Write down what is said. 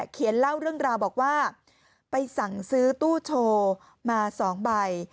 เขียนเล่าเรื่องราวบอกว่าไปสั่งซื้อตู้โชว์มา๒ใบ